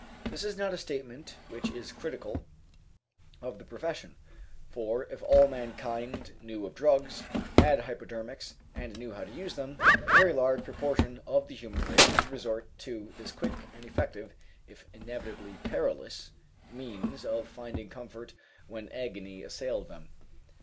This is not a statement which is critical of the profession, for if all mankind knew of drugs, had hypodermics, and knew how to use them, a very large proportion of the human race would resort to this quick and effective, if inevitably perilous, means of finding comfort when agony assailed them.